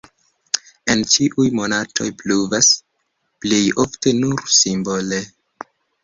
En ĉiuj monatoj pluvas (plej ofte nur simbole).